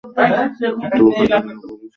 তো, কাজে লেগে পড়ো।